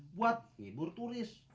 buat ngibur turis